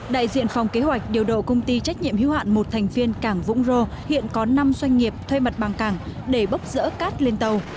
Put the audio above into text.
đại diện phòng kế hoạch điều độ công ty trách nhiệm hữu hạn một thành viên cảng vũng rô hiện có năm doanh nghiệp thuê mặt bằng cảng để bốc rỡ cát lên tàu